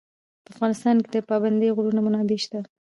په افغانستان کې د پابندی غرونه منابع شته.